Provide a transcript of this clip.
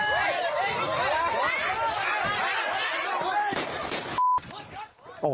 เฮ่ยเฮ่ยพระเจ้า